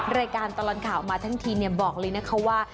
รายการตลอดข่าวมาทั้งทีบอกเลยนะคะว่า